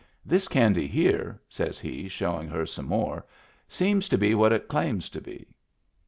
This candy here," says he, showin' her some more, " seems to be what it claims to be."